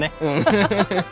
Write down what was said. フフフフッ！